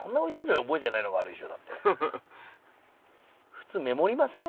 普通メモりません？